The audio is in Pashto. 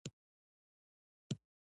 پښتني ټولنه باید خپلو ښځو ته حقونه ورکړي.